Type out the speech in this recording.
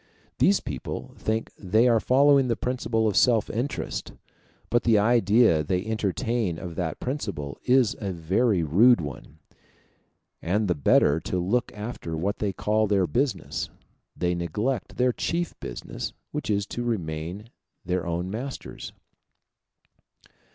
These people think they are following the principle of self interest, but the idea they entertain of that principle is a very rude one; and the better to look after what they call their business, they neglect their chief business, which is to remain their own masters.